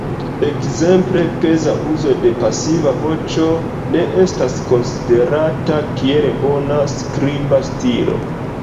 Ekzemple, peza uzo de pasiva voĉo ne estas konsiderata kiel bona skriba stilo.